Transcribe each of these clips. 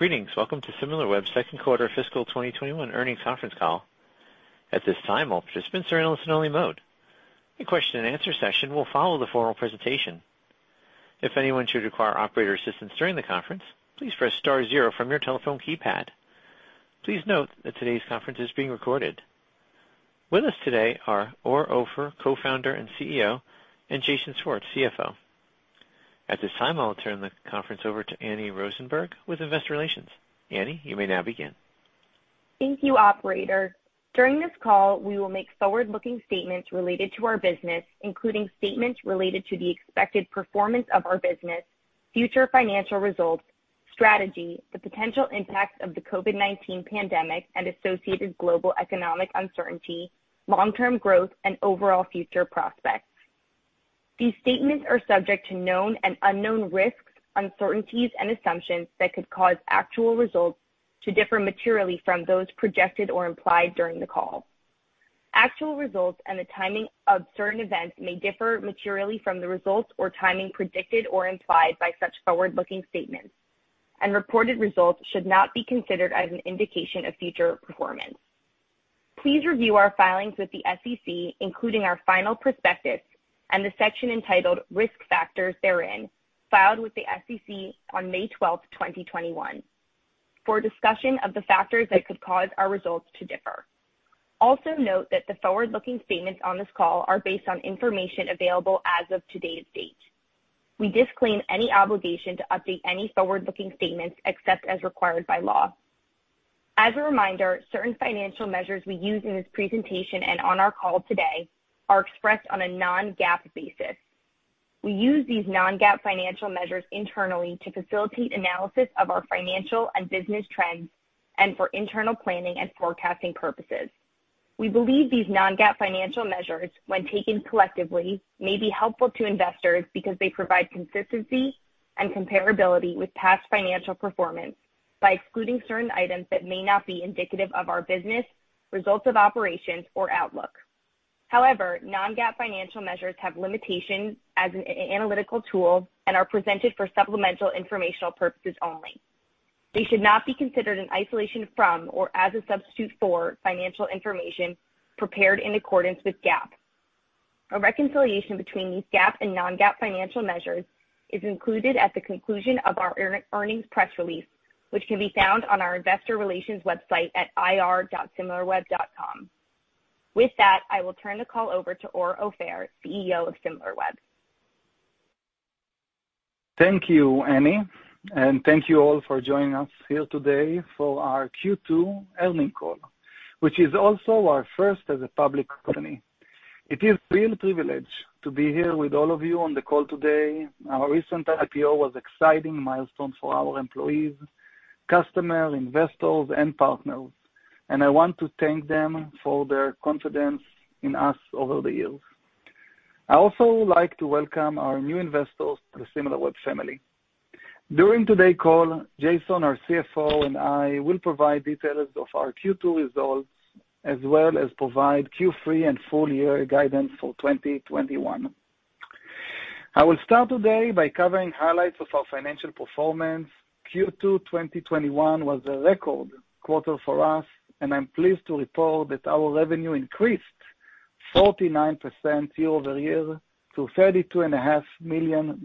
Greetings, welcome to Similarweb second quarter fiscal 2021 earnings conference call. At this time all participants are on a listen-only mode. A question-and-answer session will follow the formal presentation. If anyone should require operator assistance during the conference please press star zero from your telephone keypad. Please note that today's conference is being recorded. With us today are Or Offer, Co-Founder and Chief Executive Officer, and Jason Schwartz, CFO. At this time, I'll turn the conference over to Annie Rosenberg with Investor Relations. Annie, you may now begin. Thank you, operator. During this call, we will make forward-looking statements related to our business, including statements related to the expected performance of our business, future financial results, strategy, the potential impact of the COVID-19 pandemic and associated global economic uncertainty, long-term growth, and overall future prospects. These statements are subject to known and unknown risks, uncertainties, and assumptions that could cause actual results to differ materially from those projected or implied during the call. Actual results and the timing of certain events may differ materially from the results or timing predicted or implied by such forward-looking statements, and reported results should not be considered as an indication of future performance. Please review our filings with the SEC, including our final prospectus and the section entitled Risk Factors therein, filed with the SEC on May 12th, 2021, for a discussion of the factors that could cause our results to differ. Also note that the forward-looking statements on this call are based on information available as of today's date. We disclaim any obligation to update any forward-looking statements except as required by law. As a reminder, certain financial measures we use in this presentation and on our call today are expressed on a non-GAAP basis. We use these non-GAAP financial measures internally to facilitate analysis of our financial and business trends and for internal planning and forecasting purposes. We believe these non-GAAP financial measures, when taken collectively, may be helpful to investors because they provide consistency and comparability with past financial performance by excluding certain items that may not be indicative of our business, results of operations, or outlook. However, non-GAAP financial measures have limitations as an analytical tool and are presented for supplemental informational purposes only. They should not be considered in isolation from, or as a substitute for, financial information prepared in accordance with GAAP. A reconciliation between these GAAP and non-GAAP financial measures is included at the conclusion of our earnings press release, which can be found on our investor relations website at ir.similarweb.com. With that, I will turn the call over to Or Offer, CEO of Similarweb. Thank you, Annie, and thank you all for joining us here today for our Q2 earnings call, which is also our first as a public company. It is a real privilege to be here with all of you on the call today. Our recent IPO was exciting milestone for our employees, customers, investors, and partners. I want to thank them for their confidence in us over the years. I also like to welcome our new investors to the Similarweb family. During today's call, Jason, our CFO, and I will provide details of our Q2 results as well as provide Q3 and full year guidance for 2021. I will start today by covering highlights of our financial performance. Q2 2021 was a record quarter for us. I'm pleased to report that our revenue increased 49% year-over-year to $32.5 million.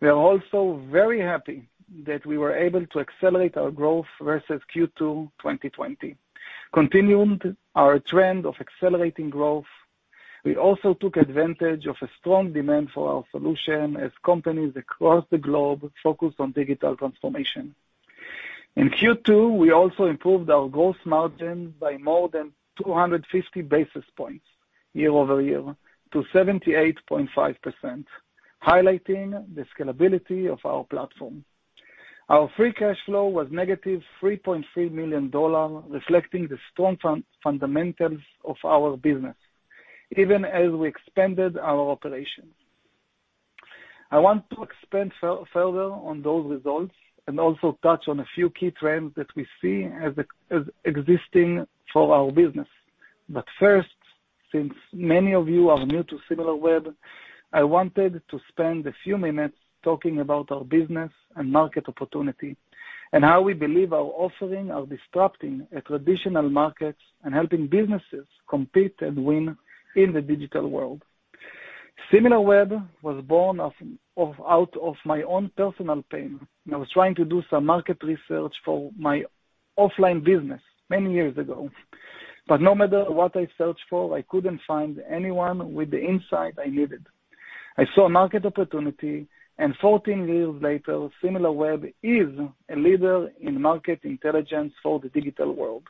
We are also very happy that we were able to accelerate our growth versus Q2 2020, continuing our trend of accelerating growth. We also took advantage of a strong demand for our solution as companies across the globe focus on digital transformation. In Q2, we also improved our gross margin by more than 250 basis points year-over-year to 78.5%, highlighting the scalability of our platform. Our free cash flow was -$3.3 million, reflecting the strong fundamentals of our business even as we expanded our operations. I want to expand further on those results and also touch on a few key trends that we see as existing for our business. First, since many of you are new to Similarweb, I wanted to spend a few minutes talking about our business and market opportunity and how we believe our offering are disrupting a traditional markets and helping businesses compete and win in the digital world. Similarweb was born out of my own personal pain. I was trying to do some market research for my offline business many years ago, but no matter what I searched for, I couldn't find anyone with the insight I needed. I saw a market opportunity, and 14 years later, Similarweb is a leader in market intelligence for the digital world.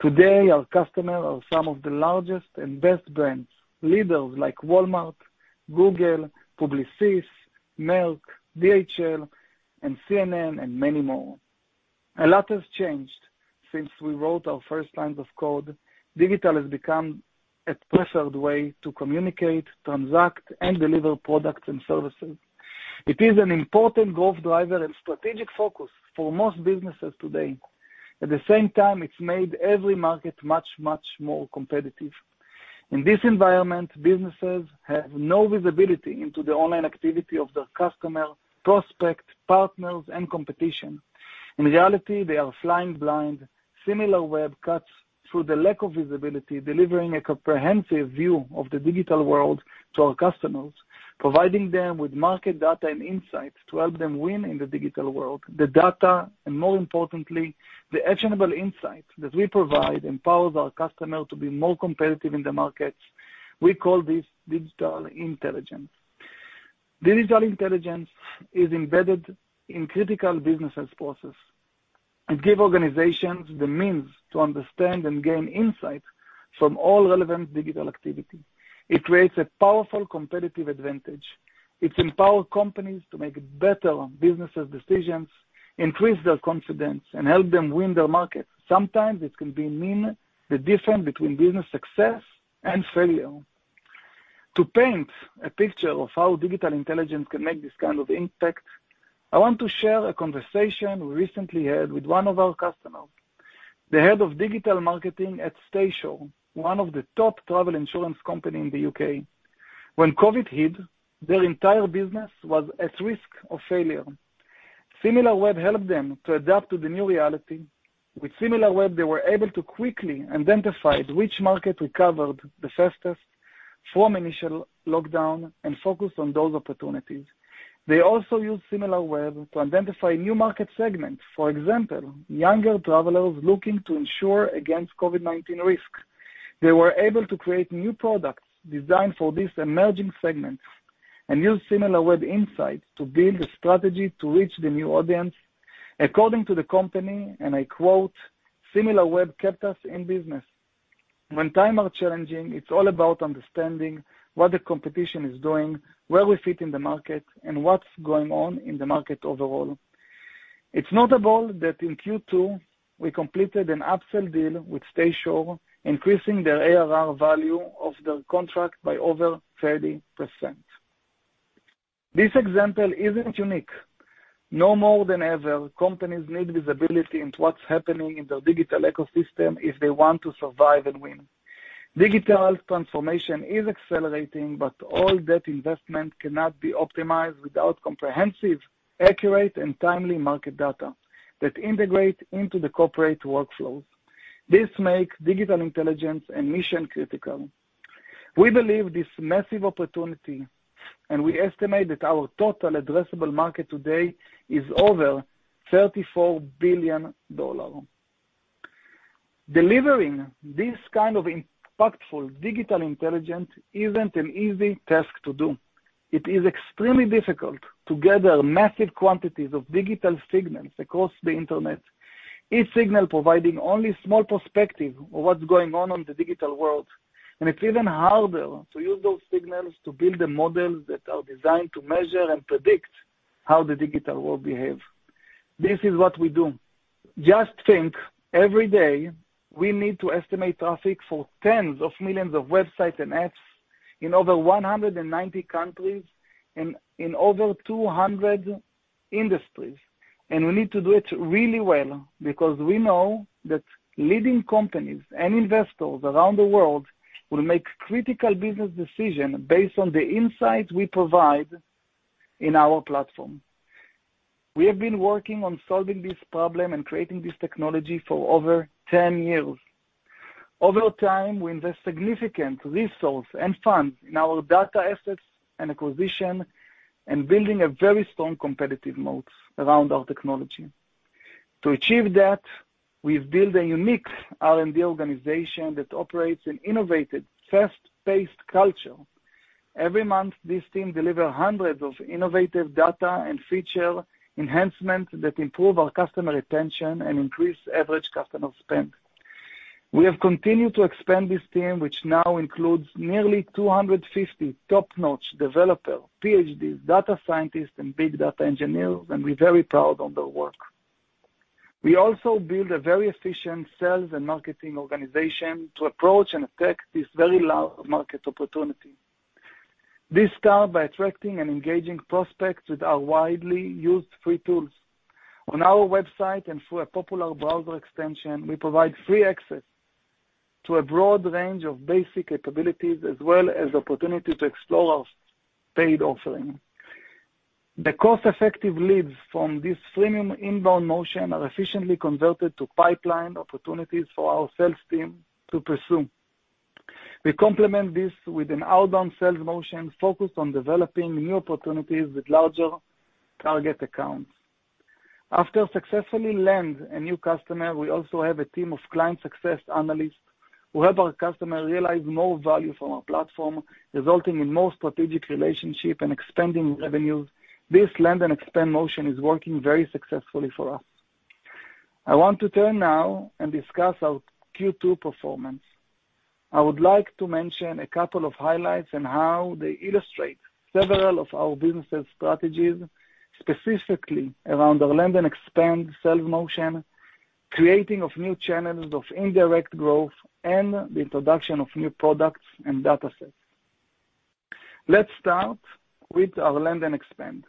Today, our customers are some of the largest and best brands, leaders like Walmart, Google, Publicis, Merck, DHL, and CNN, and many more. A lot has changed since we wrote our first lines of code. Digital has become a preferred way to communicate, transact, and deliver products and services. It is an important growth driver and strategic focus for most businesses today. At the same time, it's made every market much, much more competitive. In this environment, businesses have no visibility into the online activity of their customer, prospects, partners, and competition. In reality, they are flying blind. Similarweb cuts through the lack of visibility, delivering a comprehensive view of the digital world to our customers, providing them with market data and insights to help them win in the digital world. The data, and more importantly, the actionable insights that we provide, empowers our customer to be more competitive in the market. We call this digital intelligence. Digital intelligence is embedded in critical businesses process and give organizations the means to understand and gain insight from all relevant digital activity. It creates a powerful competitive advantage. It empowers companies to make better business decisions, increase their confidence, and help them win their market. Sometimes it can mean the difference between business success and failure. To paint a picture of how digital intelligence can make this kind of impact, I want to share a conversation we recently had with one of our customers, the head of digital marketing at Staysure, one of the top travel insurance companies in the U.K. When COVID hit, their entire business was at risk of failure. Similarweb helped them to adapt to the new reality. With Similarweb, they were able to quickly identify which market recovered the fastest from initial lockdown and focus on those opportunities. They also used Similarweb to identify new market segments. For example, younger travelers looking to insure against COVID-19 risk. They were able to create new products designed for these emerging segments and use Similarweb insight to build a strategy to reach the new audience. According to the company, and I quote, "Similarweb kept us in business. When times are challenging, it's all about understanding what the competition is doing, where we fit in the market, and what's going on in the market overall." It's notable that in Q2, we completed an upsell deal with Staysure, increasing their ARR value of their contract by over 30%. This example isn't unique. Now more than ever, companies need visibility into what's happening in their digital ecosystem if they want to survive and win. Digital transformation is accelerating, all that investment cannot be optimized without comprehensive, accurate, and timely market data that integrate into the corporate workflows. This makes digital intelligence a mission critical. We believe this massive opportunity. We estimate that our total addressable market today is over $34 billion. Delivering this kind of impactful digital intelligence isn't an easy task to do. It is extremely difficult to gather massive quantities of digital signals across the internet, each signal providing only small perspective of what's going on the digital world, and it's even harder to use those signals to build the models that are designed to measure and predict how the digital world behaves. This is what we do. Just think, every day, we need to estimate traffic for tens of millions of websites and apps in over 190 countries and in over 200 industries. We need to do it really well because we know that leading companies and investors around the world will make critical business decisions based on the insights we provide in our platform. We have been working on solving this problem and creating this technology for over 10 years. Over time, we invest significant resource and funds in our data assets and acquisition and building a very strong competitive moat around our technology. To achieve that, we've built a unique R&D organization that operates an innovative, fast-paced culture. Every month, this team deliver hundreds of innovative data and feature enhancements that improve our customer retention and increase average customer spend. We have continued to expand this team, which now includes nearly 250 top-notch developers, PhDs, data scientists, and big data engineers, and we're very proud of their work. We also build a very efficient sales and marketing organization to approach and attack this very large market opportunity. This start by attracting and engaging prospects with our widely used free tools. On our website and through a popular browser extension, we provide free access to a broad range of basic capabilities, as well as opportunity to explore our paid offering. The cost-effective leads from this freemium inbound motion are efficiently converted to pipeline opportunities for our sales team to pursue. We complement this with an outbound sales motion focused on developing new opportunities with larger target accounts. After successfully landing a new customer, we also have a team of client success analysts who help our customer realize more value from our platform, resulting in more strategic relationship and expanding revenues. This land and expand motion is working very successfully for us. I want to turn now and discuss our Q2 performance. I would like to mention a couple of highlights and how they illustrate several of our business strategies, specifically around the land and expand sales motion, creating new channels of indirect growth, and the introduction of new products and datasets. Let's start with our land and expand.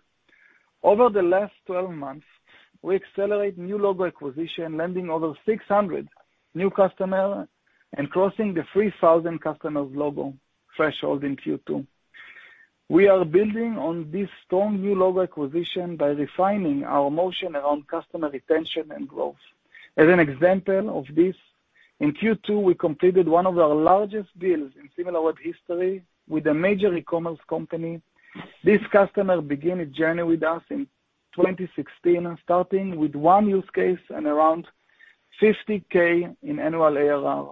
Over the last 12 months, we accelerated new logo acquisition, landing over 600 new customers and crossing the 3,000 customer logo threshold in Q2. We are building on this strong new logo acquisition by refining our motion around customer retention and growth. As an example of this, in Q2, we completed one of our largest deals in Similarweb history with a major e-commerce company. This customer began a journey with us in 2016, starting with one use case and around $50,000 in annual ARR.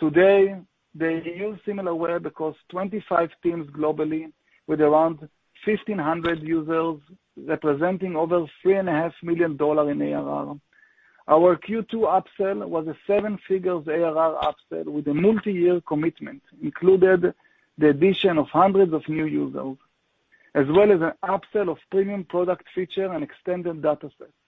Today, they use Similarweb across 25 teams globally with around 1,500 users, representing over $3.5 million in ARR. Our Q2 upsell was a seven-figure ARR upsell with a multiyear commitment, included the addition of hundreds of new users, as well as an upsell of premium product feature and extended datasets.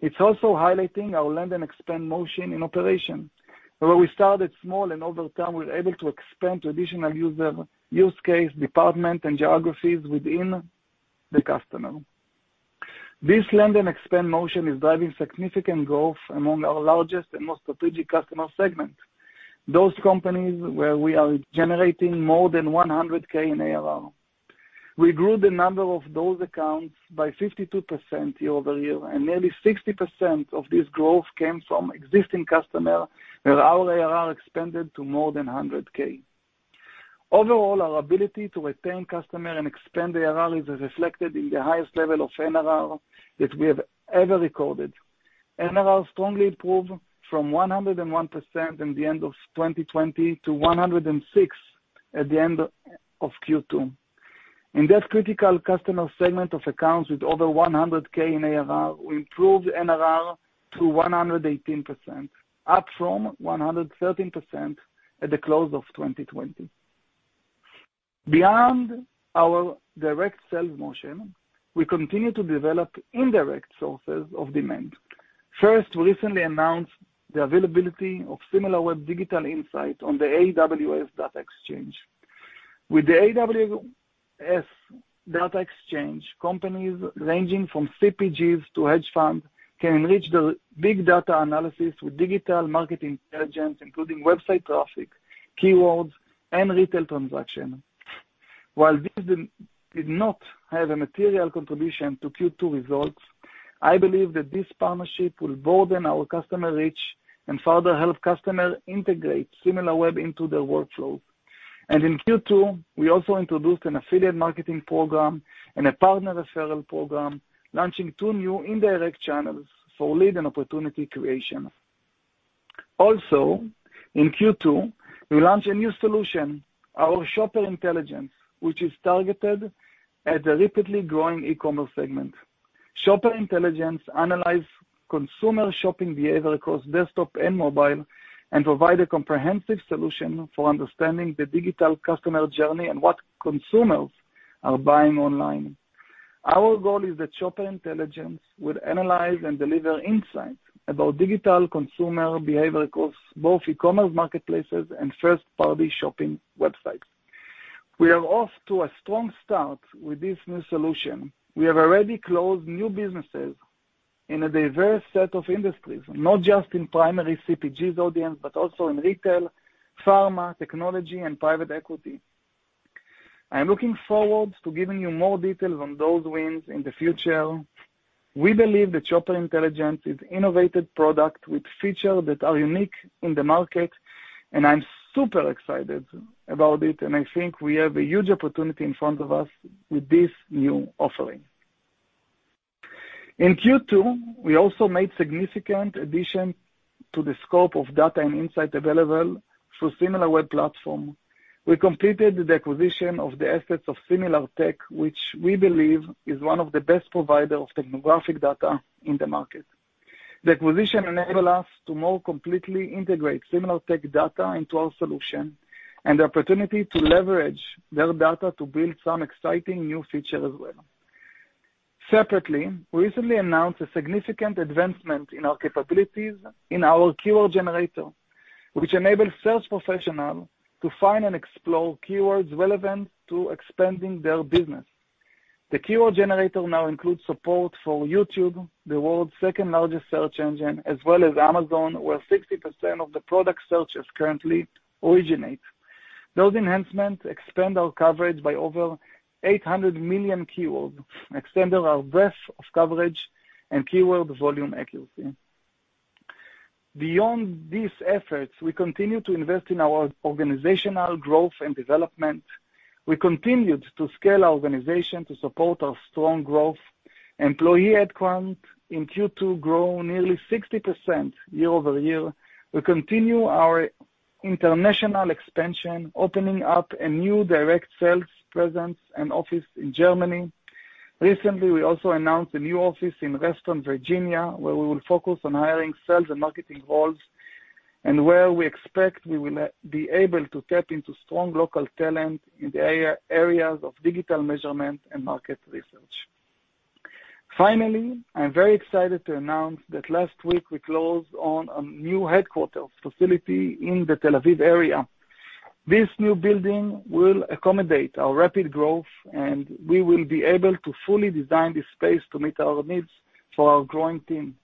It's also highlighting our land and expand motion in operation, where we started small, and over time, we're able to expand to additional user use case, department, and geographies within the customer. This land and expand motion is driving significant growth among our largest and most strategic customer segment. Those companies where we are generating more than $100,000 in ARR. We grew the number of those accounts by 52% year-over-year. Nearly 60% of this growth came from existing customer where our ARR expanded to more than $100,000. Overall, our ability to retain customer and expand ARR is reflected in the highest level of NRR that we have ever recorded. NRR strongly improved from 101% in the end of 2020 to 106% at the end of Q2. In that critical customer segment of accounts with over $100,000 in ARR, we improved NRR to 118%, up from 113% at the close of 2020. Beyond our direct sales motion, we continue to develop indirect sources of demand. First, we recently announced the availability of Similarweb digital insights on the AWS Data Exchange. With the AWS Data Exchange, companies ranging from CPGs to hedge funds can enrich their big data analysis with digital market intelligence, including website traffic, keywords, and retail transaction. While this did not have a material contribution to Q2 results, I believe that this partnership will broaden our customer reach and further help customer integrate Similarweb into their workflow. In Q2, we also introduced an affiliate marketing program and a partner referral program, launching two new indirect channels for lead and opportunity creation. Also, in Q2, we launched a new solution, our Shopper Intelligence, which is targeted at the rapidly growing e-commerce segment. Shopper Intelligence analyze consumer shopping behavior across desktop and mobile and provide a comprehensive solution for understanding the digital customer journey and what consumers are buying online. Our goal is that Shopper Intelligence would analyze and deliver insights about digital consumer behavior across both e-commerce marketplaces and first-party shopping websites. We are off to a strong start with this new solution. We have already closed new businesses in a diverse set of industries, not just in primary CPG audience, but also in retail, pharma, technology, and private equity. I am looking forward to giving you more details on those wins in the future. We believe that Shopper Intelligence is innovative product with feature that are unique in the market. I'm super excited about it, and I think we have a huge opportunity in front of us with this new offering. In Q2, we also made significant addition to the scope of data and insight available through Similarweb platform. We completed the acquisition of the assets of SimilarTech, which we believe is one of the best provider of technographic data in the market. The acquisition enable us to more completely integrate SimilarTech data into our solution and the opportunity to leverage their data to build some exciting new feature as well. Separately, we recently announced a significant advancement in our capabilities in our Keyword Generator, which enable sales professional to find and explore keywords relevant to expanding their business. The Keyword Generator now includes support for YouTube, the world's second-largest search engine, as well as Amazon, where 60% of the product searches currently originate. Those enhancements expand our coverage by over 800 million keywords, extending our breadth of coverage and keyword volume accuracy. Beyond these efforts, we continue to invest in our organizational growth and development. We continued to scale our organization to support our strong growth. Employee headcount in Q2 grow nearly 60% year-over-year. We continue our international expansion, opening up a new direct sales presence and office in Germany. Recently, we also announced a new office in Reston, Virginia, where we will focus on hiring sales and marketing roles and where we expect we will be able to tap into strong local talent in the areas of digital measurement and market research. I'm very excited to announce that last week we closed on a new headquarters facility in the Tel Aviv area. This new building will accommodate our rapid growth, and we will be able to fully design the space to meet our needs for our growing team.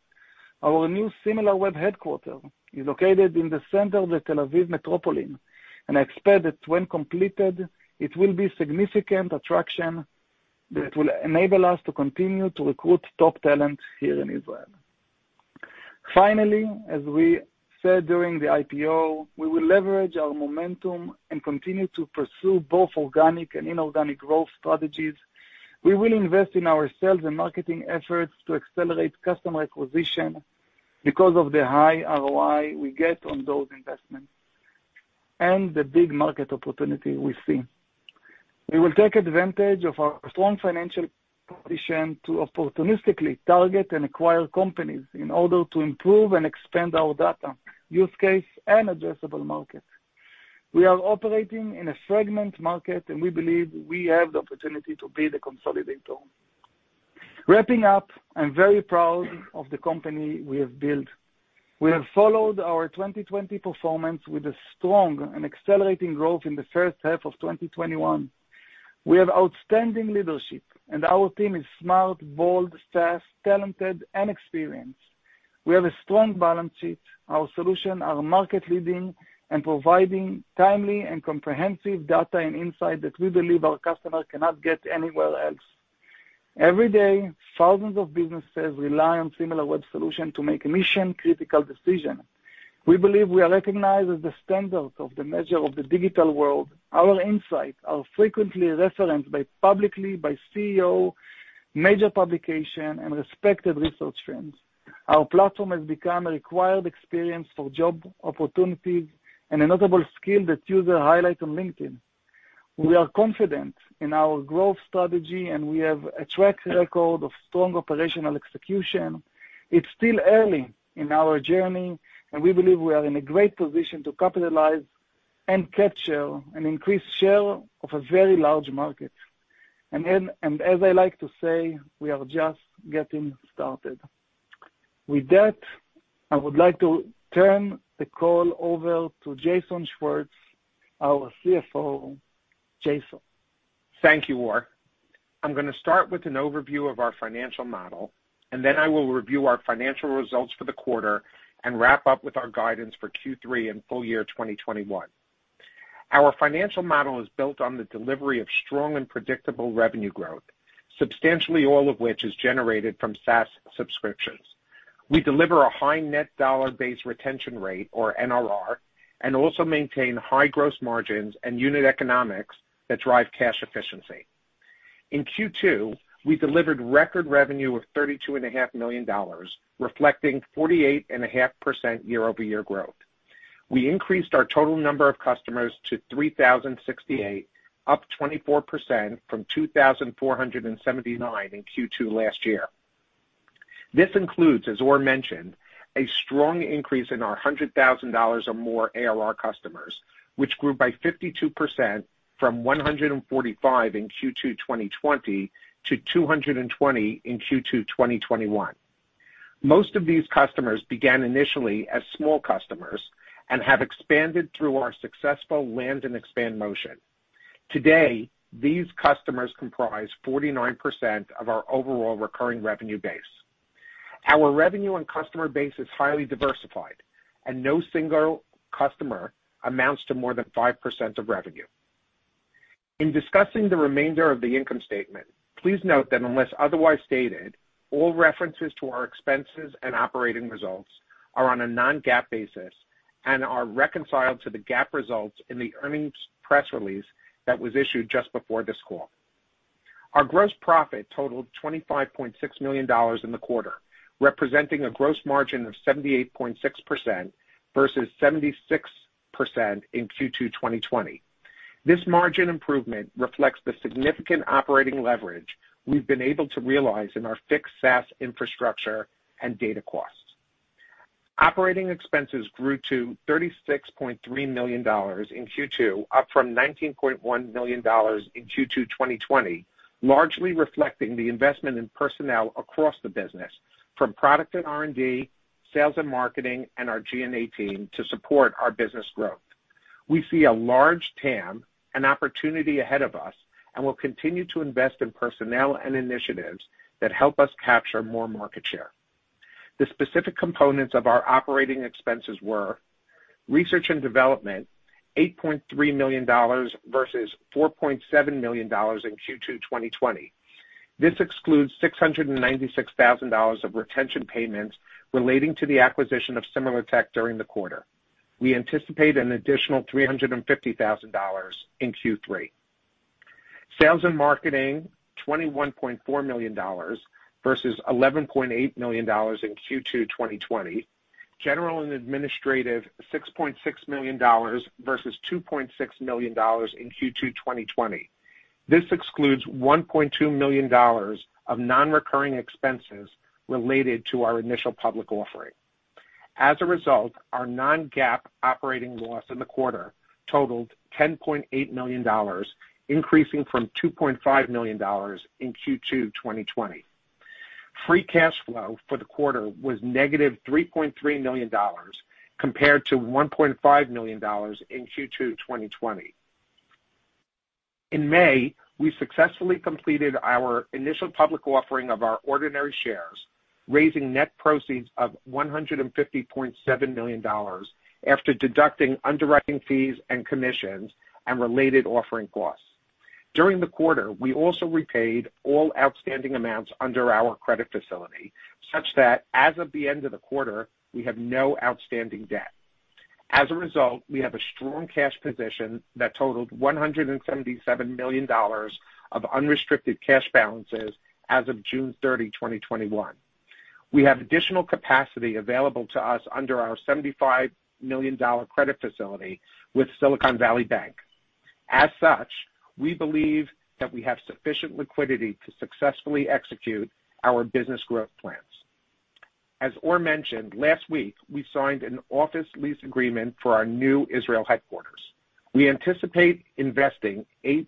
Our new Similarweb headquarters is located in the center of the Tel Aviv metropolitan, and I expect that when completed, it will be significant attraction that will enable us to continue to recruit top talent here in Israel. As we said during the IPO, we will leverage our momentum and continue to pursue both organic and inorganic growth strategies. We will invest in our sales and marketing efforts to accelerate customer acquisition because of the high ROI we get on those investments and the big market opportunity we see. We will take advantage of our strong financial position to opportunistically target and acquire companies in order to improve and expand our data use case and addressable market. We are operating in a fragmented market, and we believe we have the opportunity to be the consolidator. Wrapping up, I'm very proud of the company we have built. We have followed our 2020 performance with a strong and accelerating growth in the first half of 2021. We have outstanding leadership, and our team is smart, bold, fast, talented, and experienced. We have a strong balance sheet. Our solutions are market leading and providing timely and comprehensive data and insight that we believe our customers cannot get anywhere else. Every day, thousands of businesses rely on Similarweb solutions to make mission-critical decisions. We believe we are recognized as the standard of the measure of the digital world. Our insights are frequently referenced publicly by CEO, major publications, and respected research firms. Our platform has become a required experience for job opportunities and a notable skill that users highlight on LinkedIn. We are confident in our growth strategy, and we have a track record of strong operational execution. It's still early in our journey, and we believe we are in a great position to capitalize and capture an increased share of a very large market. As I like to say, we are just getting started. With that, I would like to turn the call over to Jason Schwartz, our CFO. Jason. Thank you, Or. I'm going to start with an overview of our financial model. Then I will review our financial results for the quarter and wrap up with our guidance for Q3 and full year 2021. Our financial model is built on the delivery of strong and predictable revenue growth, substantially all of which is generated from SaaS subscriptions. We deliver a high net dollar-based retention rate, or NRR, and also maintain high gross margins and unit economics that drive cash efficiency. In Q2, we delivered record revenue of $32.5 million, reflecting 48.5% year-over-year growth. We increased our total number of customers to 3,068, up 24% from 2,479 in Q2 last year. This includes, as Or mentioned, a strong increase in our $100,000 or more ARR customers, which grew by 52% from 145 in Q2 2020 to 220 in Q2 2021. Most of these customers began initially as small customers and have expanded through our successful land and expand motion. Today, these customers comprise 49% of our overall recurring revenue base. Our revenue and customer base is highly diversified, and no single customer amounts to more than 5% of revenue. In discussing the remainder of the income statement, please note that unless otherwise stated, all references to our expenses and operating results are on a non-GAAP basis and are reconciled to the GAAP results in the earnings press release that was issued just before this call. Our gross profit totaled $25.6 million in the quarter, representing a gross margin of 78.6% versus 76% in Q2 2020. This margin improvement reflects the significant operating leverage we've been able to realize in our fixed SaaS infrastructure and data costs. Operating expenses grew to $36.3 million in Q2, up from $19.1 million in Q2 2020, largely reflecting the investment in personnel across the business, from product and R&D, sales and marketing, and our G&A team to support our business growth. We'll continue to invest in personnel and initiatives that help us capture more market share. The specific components of our operating expenses were research and development, $8.3 million versus $4.7 million in Q2 2020. This excludes $696,000 of retention payments relating to the acquisition of SimilarTech during the quarter. We anticipate an additional $350,000 in Q3. Sales and marketing, $21.4 million versus $11.8 million in Q2 2020. General and administrative, $6.6 million versus $2.6 million in Q2 2020. This excludes $1.2 million of non-recurring expenses related to our initial public offering. As a result, our non-GAAP operating loss in the quarter totaled $10.8 million, increasing from $2.5 million in Q2 2020. Free cash flow for the quarter was -$3.3 million compared to $1.5 million in Q2 2020. In May, we successfully completed our initial public offering of our ordinary shares, raising net proceeds of $150.7 million after deducting underwriting fees and commissions and related offering costs. During the quarter, we also repaid all outstanding amounts under our credit facility, such that as of the end of the quarter, we have no outstanding debt. As a result, we have a strong cash position that totaled $177 million of unrestricted cash balances as of June 30, 2021. We have additional capacity available to us under our $75 million credit facility with Silicon Valley Bank. As such, we believe that we have sufficient liquidity to successfully execute our business growth plans. As Or mentioned, last week, we signed an office lease agreement for our new Israel headquarters. We anticipate investing $8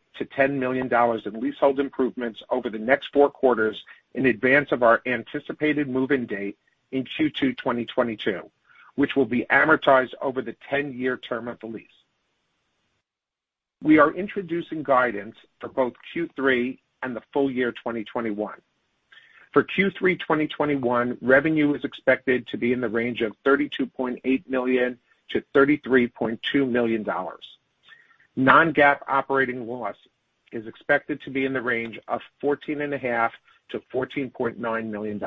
million-$10 million in leasehold improvements over the next four quarters in advance of our anticipated move-in date in Q2 2022, which will be amortized over the 10-year term of the lease. We are introducing guidance for both Q3 and the full year 2021. For Q3 2021, revenue is expected to be in the range of $32.8 million-$33.2 million. Non-GAAP operating loss is expected to be in the range of $14.5 million-$14.9 million.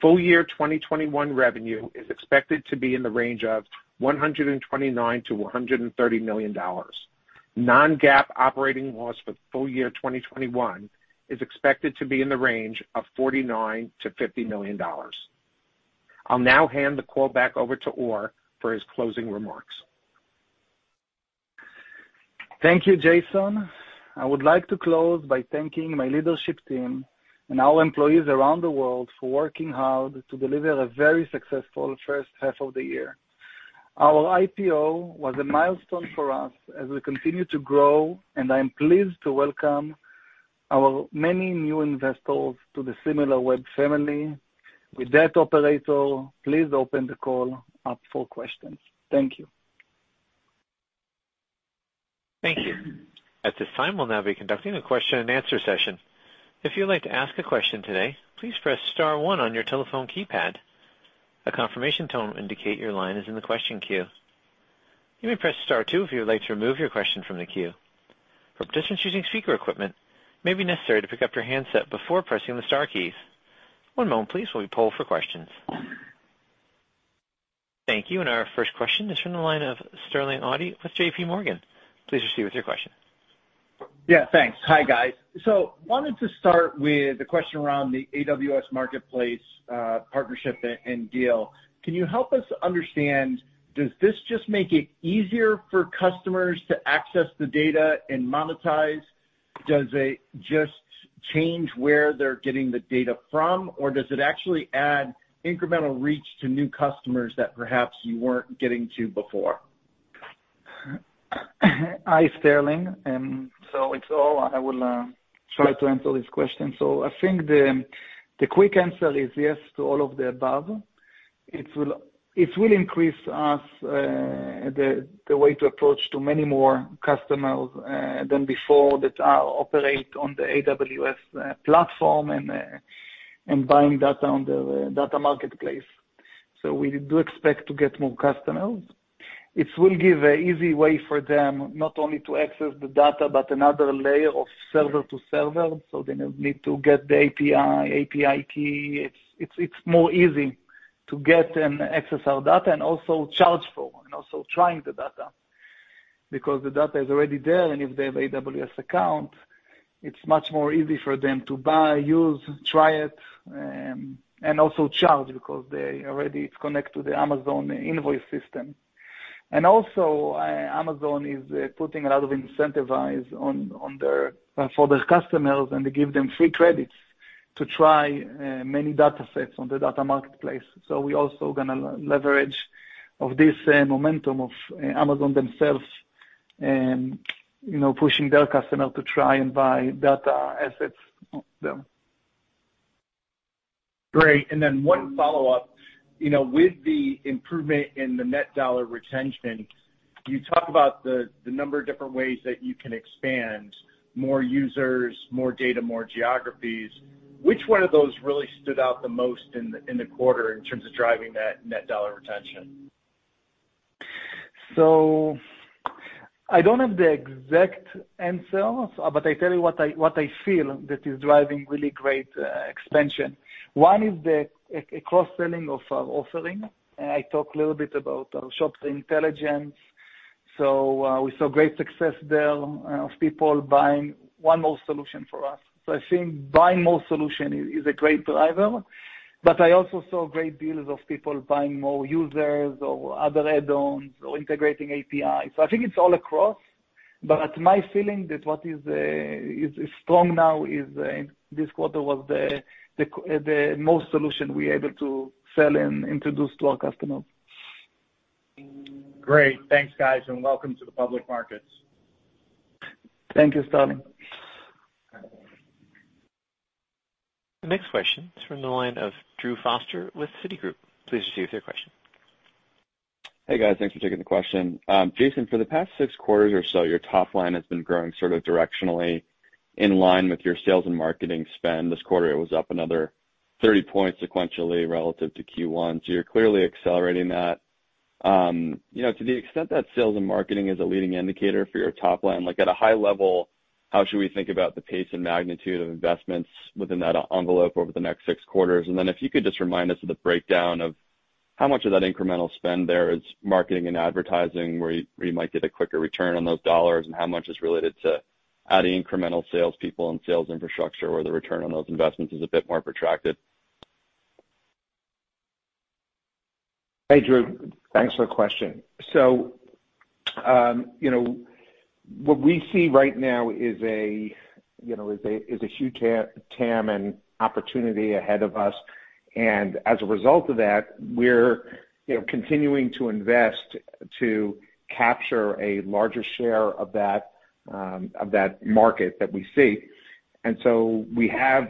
Full year 2021 revenue is expected to be in the range of $129 million-$130 million. Non-GAAP operating loss for full year 2021 is expected to be in the range of $49 million-$50 million. I'll now hand the call back over to Or for his closing remarks. Thank you, Jason. I would like to close by thanking my leadership team and our employees around the world for working hard to deliver a very successful first half of the year. Our IPO was a milestone for us as we continue to grow, and I'm pleased to welcome our many new investors to the Similarweb family. With that, operator, please open the call up for questions. Thank you. Thank you. At this time, we'll now be conducting a question-and-answer session. If you would like to ask a question today please press star one on your telephone keypad. A confirmation tone will indicate your line is in the question queue. You may press star two if you like to remove your line from the question queue. Participants using speaker equipment it may be necessary to pick up your handset before pressing the star key. One moment please we poll for questions. Thank you. Our first question is from the line of Sterling Auty with JPMorgan. Please proceed with your question. Yeah, thanks. Hi, guys. Wanted to start with a question around the AWS marketplace partnership and deal. Can you help us understand, does this just make it easier for customers to access the data and monetize? Does it just change where they're getting the data from, or does it actually add incremental reach to new customers that perhaps you weren't getting to before? Hi, Sterling. It's Or. I will try to answer this question. I think the quick answer is yes to all of the above. It will increase us the way to approach to many more customers than before that operate on the AWS platform and buying data on the AWS Data Exchange. We do expect to get more customers. It will give an easy way for them not only to access the data, but another layer of server to server, they don't need to get the API key. It's more easy to get and access our data and also charge for, and also trying the data because the data is already there. If they have AWS account, it's much more easy for them to buy, use, try it, and also charge because they already connect to the Amazon invoice system. Also, Amazon is putting a lot of incentives for their customers, and they give them free credits to try many data sets on the data marketplace. We also going to leverage this momentum of Amazon themselves, pushing their customers to try and buy data assets there. Great. One follow-up. With the improvement in the net dollar retention, you talk about the number of different ways that you can expand more users, more data, more geographies. Which one of those really stood out the most in the quarter in terms of driving that net dollar retention? I don't have the exact answer, but I tell you what I feel that is driving really great expansion. One is the cross-selling of our offering, and I talked a little bit about our Shopper Intelligence. We saw great success there of people buying one more solution for us. I think buying more solution is a great driver, but I also saw great deals of people buying more users or other add-ons or integrating API. I think it's all across. My feeling that what is strong now is, this quarter was the most solution we're able to sell and introduce to our customers. Great. Thanks, guys, and welcome to the public markets. Thank you, Sterling. The next question is from the line of Drew Foster with Citigroup. Please proceed with your question. Hey, guys. Thanks for taking the question. Jason, for the past six quarters or so, your top line has been growing directionally in line with your sales and marketing spend. This quarter, it was up another 30 points sequentially relative to Q1. You're clearly accelerating that. To the extent that sales and marketing is a leading indicator for your top line, at a high level, how should we think about the pace and magnitude of investments within that envelope over the next six quarters? If you could just remind us of the breakdown of how much of that incremental spend there is marketing and advertising, where you might get a quicker return on those dollars, and how much is related to adding incremental salespeople and sales infrastructure, where the return on those investments is a bit more protracted? Hey, Drew. Thanks for the question. What we see right now is a huge TAM and opportunity ahead of us. As a result of that, we're continuing to invest to capture a larger share of that market that we see. We have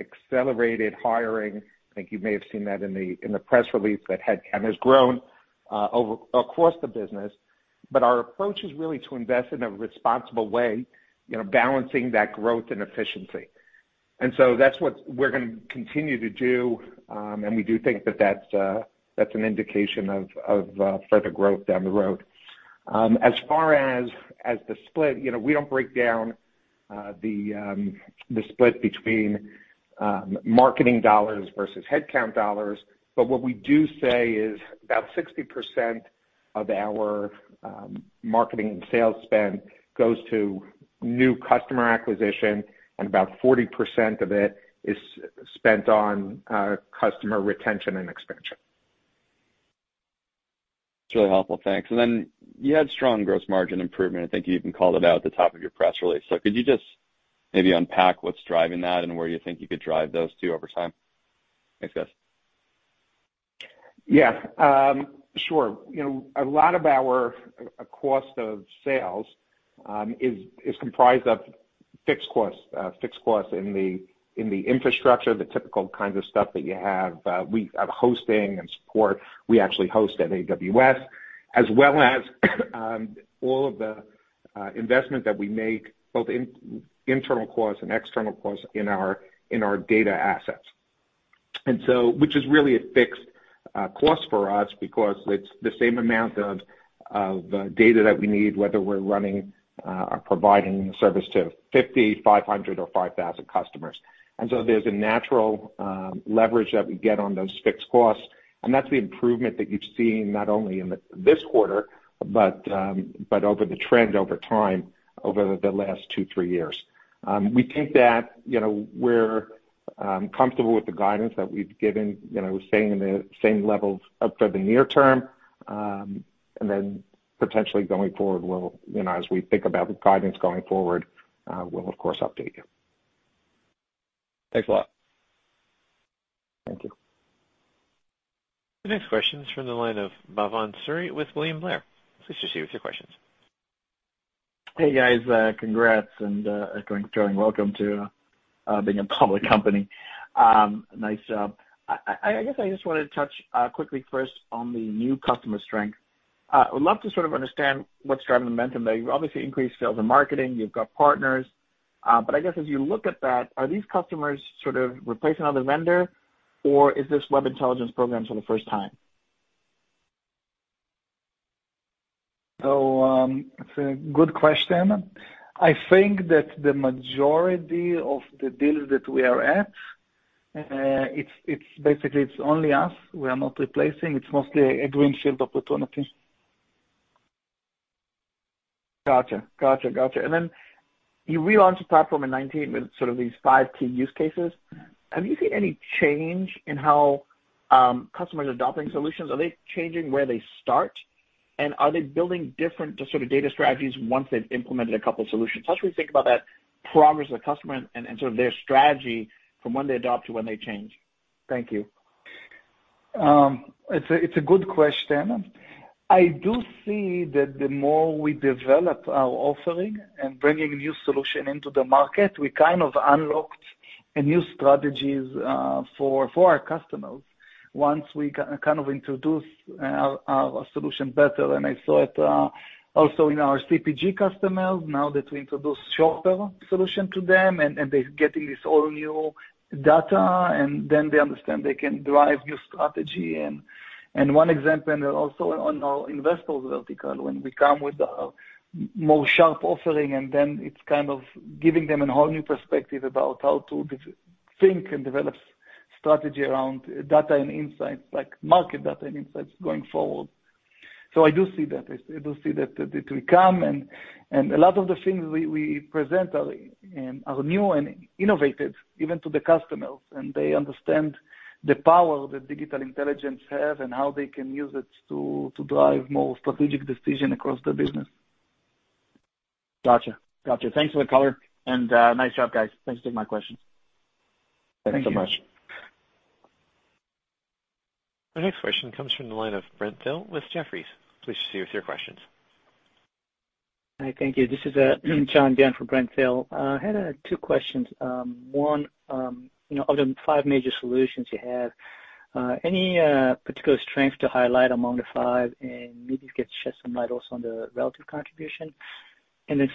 accelerated hiring. I think you may have seen that in the press release, that headcount has grown across the business. Our approach is really to invest in a responsible way, balancing that growth and efficiency. That's what we're going to continue to do, and we do think that that's an indication of further growth down the road. As far as the split, we don't break down the split between marketing dollars versus headcount dollars. What we do say is about 60% of our marketing and sales spend goes to new customer acquisition, and about 40% of it is spent on customer retention and expansion. It's really helpful, thanks. You had strong gross margin improvement. I think you even called it out at the top of your press release. Could you just maybe unpack what's driving that and where you think you could drive those two over time? Thanks, guys. Sure. A lot of our cost of sales is comprised of fixed costs in the infrastructure, the typical kinds of stuff that you have. We have hosting and support. We actually host at AWS, as well as all of the investment that we make, both internal costs and external costs, in our data assets. Which is really a fixed cost for us because it's the same amount of data that we need, whether we're running or providing service to 50, 500 or 5,000 customers. There's a natural leverage that we get on those fixed costs, and that's the improvement that you've seen not only in this quarter, but over the trend over time, over the last two, three years. We think that we're comfortable with the guidance that we've given, staying in the same levels for the near term, and then potentially going forward, as we think about the guidance going forward, we'll of course update you. Thanks a lot. Thank you. The next question is from the line of Bhavan Suri with William Blair. Please proceed with your questions. Hey, guys. Congrats and a very warm welcome to being a public company. Nice job. I guess I just wanted to touch quickly first on the new customer strength. I would love to sort of understand what's driving the momentum there. You've obviously increased sales and marketing. You've got partners. I guess as you look at that, are these customers sort of replacing another vendor, or is this digital intelligence programs for the first time? It's a good question. I think that the majority of the deals that we are at, it's basically it's only us. We are not replacing. It's mostly a greenfield opportunity. Got you. Then you relaunched the platform in 2019 with sort of these five key use cases. Have you seen any change in how customers are adopting solutions? Are they changing where they start? Are they building different sort of data strategies once they've implemented a couple solutions? How should we think about that progress of the customer and sort of their strategy from when they adopt to when they change? Thank you. It's a good question. I do see that the more we develop our offering and bringing new solution into the market, we kind of unlocked new strategies for our customers once we kind of introduced our solution better. I saw it also in our CPG customers now that we introduce shopper solution to them, and they're getting this all new data, then they understand they can drive new strategy. One example, also on our investors vertical, when we come with a more sharp offering, then it's kind of giving them a whole new perspective about how to think and develop strategy around data and insights, like market data and insights going forward. I do see that. I do see that it will come, and a lot of the things we present are new and innovative, even to the customers, and they understand the power that digital intelligence have and how they can use it to drive more strategic decision across the business. Got you. Thanks for the color and nice job, guys. Thanks for taking my questions. Thank you. Thanks so much. Our next question comes from the line of Brent Thill with Jefferies. Please proceed with your questions. Hi. Thank you. This is John, down for Brent Thill. I had two questions. One, of the five major solutions you have, any particular strength to highlight among the five? Maybe you could shed some light also on the relative contribution.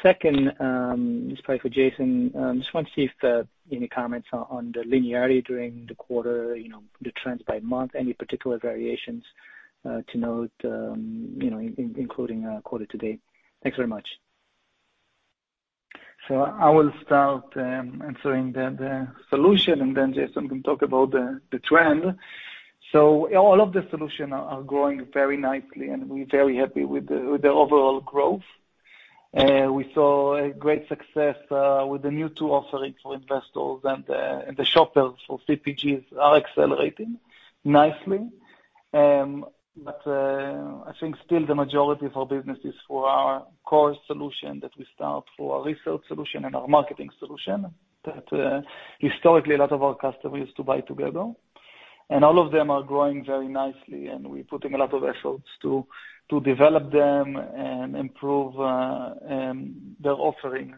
Second, this is probably for Jason. Just wanted to see if any comments on the linearity during the quarter, the trends by month, any particular variations to note, including quarter to date. Thanks very much. I will start answering the solution, then Jason can talk about the trend. All of the solutions are growing very nicely, and we're very happy with the overall growth. We saw a great success with the new two offerings for investors and the shoppers for CPGs are accelerating nicely. I think still the majority of our business is for our core solution that we start for our research solution and our marketing solution that historically a lot of our customers used to buy together. All of them are growing very nicely, and we're putting a lot of efforts to develop them and improve their offering.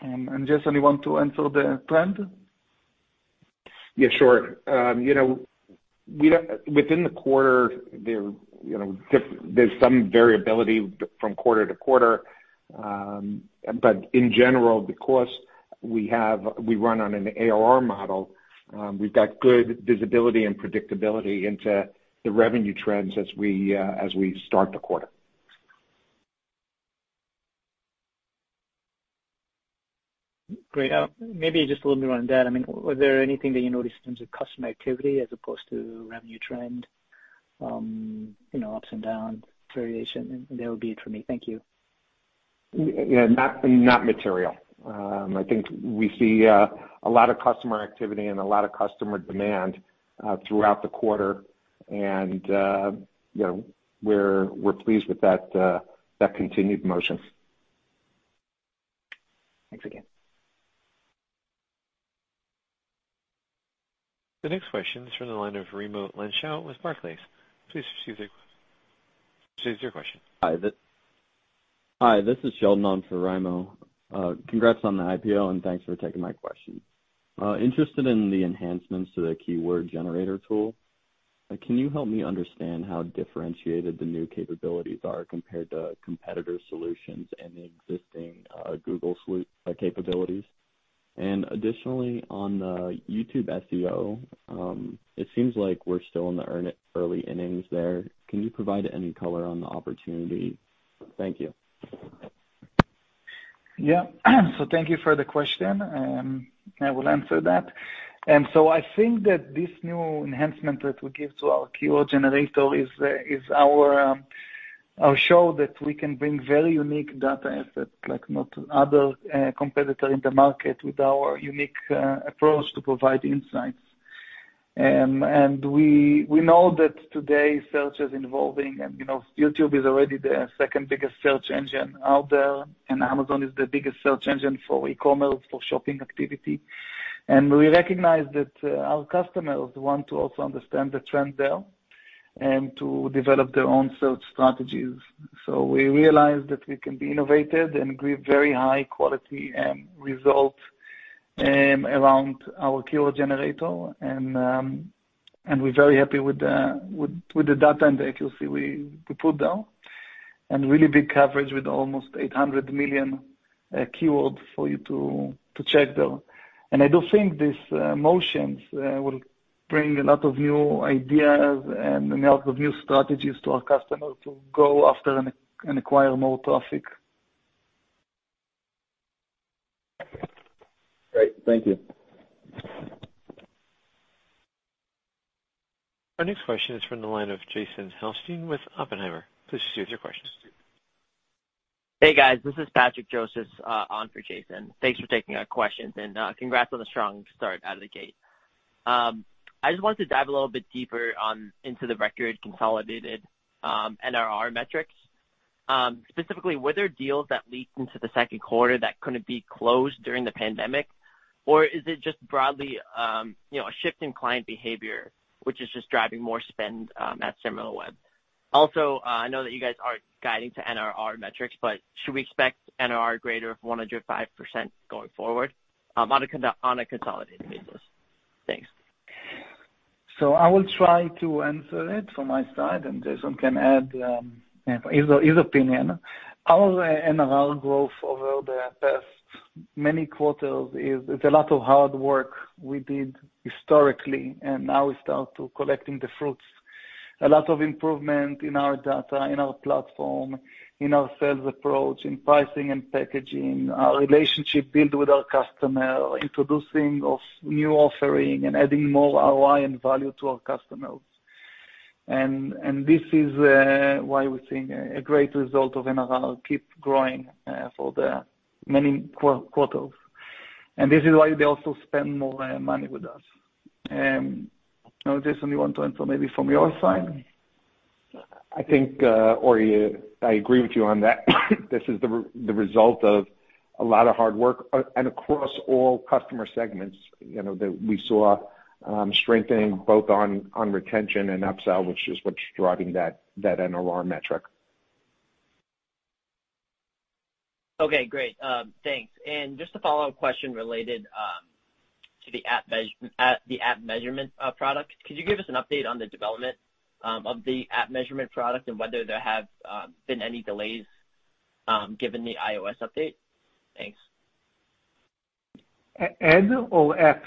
Jason, you want to answer the trend? Yeah, sure. Within the quarter, there's some variability from quarter to quarter. In general, because we run on an ARR model, we've got good visibility and predictability into the revenue trends as we start the quarter. Great. Maybe just a little bit on that. Was there anything that you noticed in terms of customer activity as opposed to revenue trend, ups and down variation? That would be it for me. Thank you. Yeah, not material. I think we see a lot of customer activity and a lot of customer demand throughout the quarter, and we're pleased with that continued motion. Thanks again. The next question is from the line of Raimo Lenschow with Barclays. Please proceed with your question. Hi. This is Sheldon on for Raimo. Congrats on the IPO, and thanks for taking my question. Interested in the enhancements to the Keyword Generator tool. Can you help me understand how differentiated the new capabilities are compared to competitor solutions and the existing Google Workspace capabilities? Additionally, on the YouTube SEO, it seems like we're still in the early innings there. Can you provide any color on the opportunity? Thank you. Thank you for the question. I will answer that. I think that this new enhancement that we give to our Keyword Generator will show that we can bring very unique data assets, like no other competitor in the market, with our unique approach to provide insights. We know that today search is evolving, YouTube is already the second biggest search engine out there, Amazon is the biggest search engine for e-commerce, for shopping activity. We recognize that our customers want to also understand the trend there and to develop their own search strategies. We realized that we can be innovative and give very high quality results around our Keyword Generator. We're very happy with the data and the accuracy we put there. Really big coverage with almost 800 million keywords for you to check there. I do think these motions will bring a lot of new ideas and a lot of new strategies to our customers to go after and acquire more traffic. Great. Thank you. Our next question is from the line of Jason Helfstein with Oppenheimer. Please proceed with your question. Hey, guys. This is Patrick Joseph on for Jason. Thanks for taking our questions. Congrats on a strong start out of the gate. I just wanted to dive a little bit deeper into the record consolidated NRR metrics. Specifically, were there deals that leaked into the second quarter that couldn't be closed during the pandemic, or is it just broadly a shift in client behavior, which is just driving more spend at Similarweb? I know that you guys aren't guiding to NRR metrics. Should we expect NRR greater of 105% going forward on a consolidated basis? Thanks. I will try to answer it from my side, and Jason can add his opinion. Our NRR growth over the past many quarters is a lot of hard work we did historically, and now we start to collecting the fruits. A lot of improvement in our data, in our platform, in our sales approach, in pricing and packaging, our relationship build with our customer, introducing of new offering and adding more ROI and value to our customers. This is why we think a great result of NRR keep growing for the many quarters. This is why they also spend more money with us. Jason, you want to answer maybe from your side? I think, Or Offer, I agree with you on that. This is the result of a lot of hard work and across all customer segments, that we saw strengthening both on retention and upsell, which is what's driving that NRR metric. Okay, great. Thanks. Just a follow-up question related to the app measurement product. Could you give us an update on the development of the app measurement product and whether there have been any delays given the iOS update? Thanks. N or app?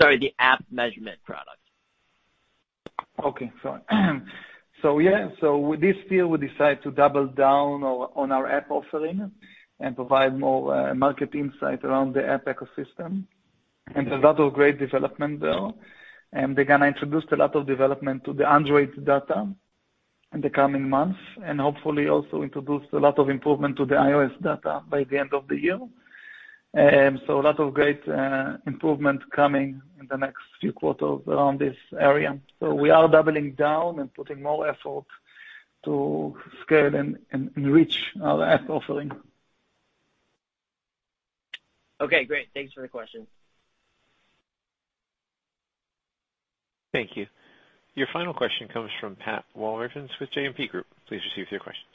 Sorry, the app measurement product. Okay, sorry. With this deal, we decided to double down on our app offering and provide more market insight around the app ecosystem. There's a lot of great development there. They're going to introduce a lot of development to the Android data in the coming months, and hopefully also introduce a lot of improvement to the iOS data by the end of the year. A lot of great improvement coming in the next few quarters around this area. We are doubling down and putting more effort to scale and reach our app offering. Okay, great. Thanks for the question. Thank you. Your final question comes from Pat Walravens with JMP Group. Please proceed with your questions.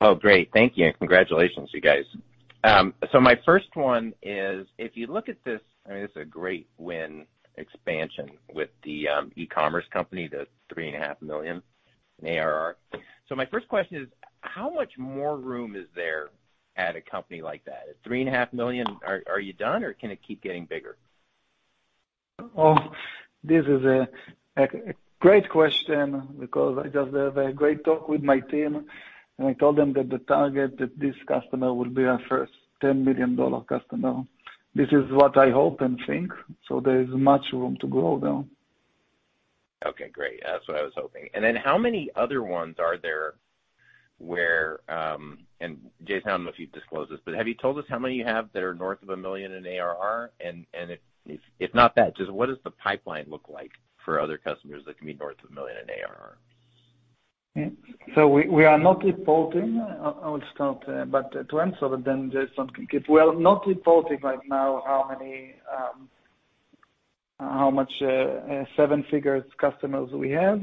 Oh, great. Thank you. Congratulations, you guys. My first one is, if you look at this, it's a great win expansion with the e-commerce company, the $3.5 million in ARR. My first question is, how much more room is there at a company like that? At $3.5 million, are you done, or can it keep getting bigger? Oh, this is a great question because I just had a great talk with my team. I told them that the target that this customer will be our first $10 million customer. This is what I hope and think. There is much room to grow, though. Okay, great. That's what I was hoping. How many other ones are there where, and Jason, I don't know if you'd disclose this, but have you told us how many you have that are north of $1 million in ARR? If not that, just what does the pipeline look like for other customers that can be north of a million in ARR? We are not reporting. I will start, but to answer that then Jason can keep. We are not reporting right now how much seven-figure customers we have.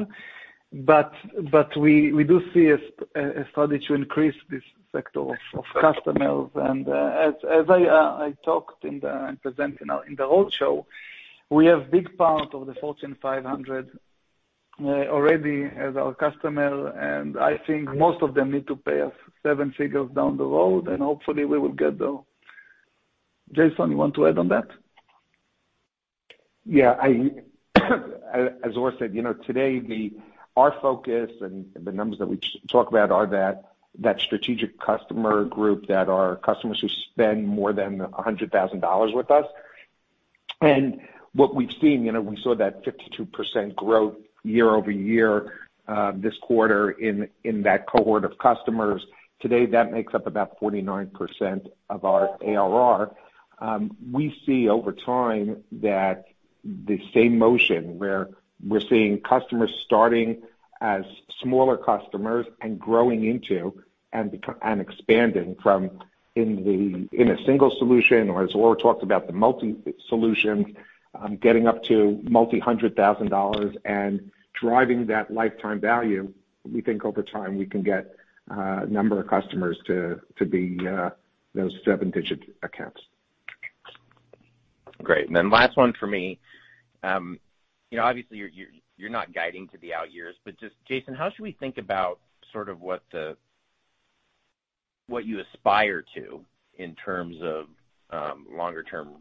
We do see a strategy to increase this sector of customers. As I talked and presented in the roadshow, we have big part of the Fortune 500 already as our customer, and I think most of them need to pay us seven figures down the road, and hopefully we will get there. Jason, you want to add on that? As Or said, today our focus and the numbers that we talk about are that strategic customer group that are customers who spend more than $100,000 with us. We saw that 52% growth year-over-year, this quarter in that cohort of customers. Today, that makes up about 49% of our ARR. We see over time that the same motion where we're seeing customers starting as smaller customers and growing into and expanding from in a single solution or as Or talked about, the multi-solution, getting up to multi-$100,000 and driving that lifetime value. We think over time, we can get a number of customers to be those seven-digit accounts. Great. Last one for me. Obviously, you're not guiding to the out years, just Jason, how should we think about sort of what you aspire to in terms of longer term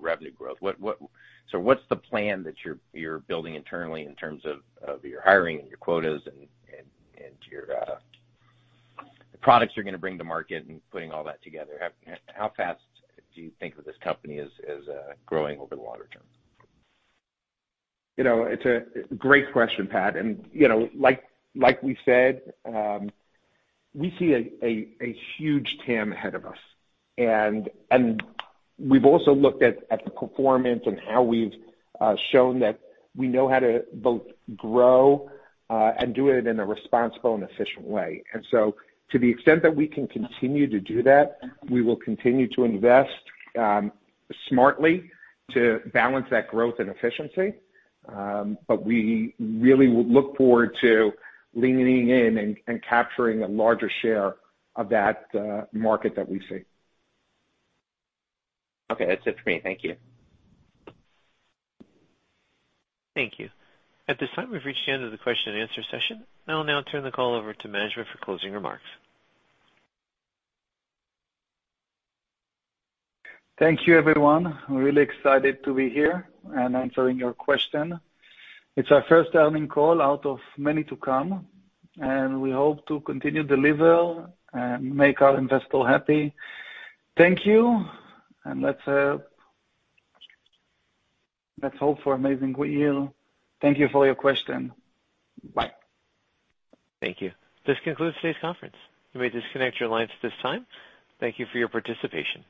revenue growth? What's the plan that you're building internally in terms of your hiring and your quotas and the products you're going to bring to market and putting all that together? How fast do you think that this company is growing over the longer term? It's a great question, Pat. Like we said, we see a huge TAM ahead of us. We've also looked at the performance and how we've shown that we know how to both grow and do it in a responsible and efficient way. To the extent that we can continue to do that, we will continue to invest smartly to balance that growth and efficiency. We really look forward to leaning in and capturing a larger share of that market that we see. Okay. That's it for me. Thank you. Thank you. At this time, we've reached the end of the question-and-answer session. I'll now turn the call over to management for closing remarks. Thank you, everyone. I'm really excited to be here and answering your question. It's our first earnings call out of many to come. We hope to continue deliver and make our investor happy. Thank you. Let's hope for amazing year. Thank you for your question. Bye. Thank you. This concludes today's conference. You may disconnect your lines at this time. Thank you for your participation.